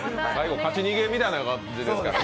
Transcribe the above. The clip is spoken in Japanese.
勝ち逃げみたいな感じですからね。